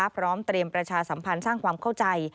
พร้อมเตรียมประชาสัมพันธ์สร้างความเข้าใจ